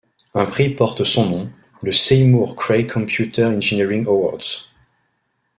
Un prix porte son nom, le Seymour Cray Computer Engineering Award.